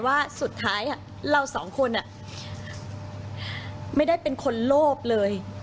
ว่าสุดท้ายเราสองคนไม่ได้เป็นคนโลภเลย